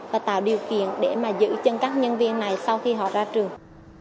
và tạo điều kiện để mà giữ chân các nhân viên này sau khi họ ra trường